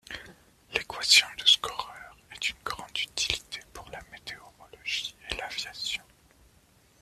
L'équation de Scorer est d'une grande utilité pour la météorologie et l'aviation.